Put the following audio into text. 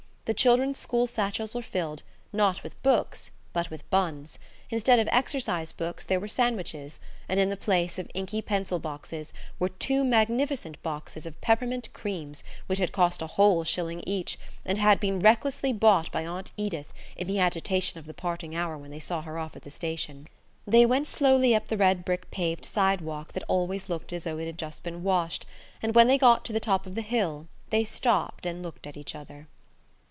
The children's school satchels were filled, not with books, but with buns; instead of exercise books there were sandwiches; and in the place of inky pencil boxes were two magnificent boxes of peppermint creams which had cost a whole shilling each, and had been recklessly bought by Aunt Edith in the agitation of the parting hour when they saw her off at the station. They went slowly up the red brick paved sidewalk that always looks as though it had just been washed, and when they got to the top of the hill they stopped and looked at each other.